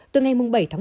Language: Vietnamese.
từ ngày bảy một mươi hai